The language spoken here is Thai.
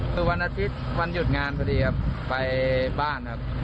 คือวันอาทิตย์วันหยุดงานพอดีครับไปบ้านครับ